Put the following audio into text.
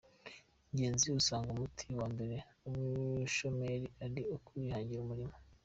Ngenzi asanga umuti wa mbere w’ubushomeri ari ukwihangira umurimo.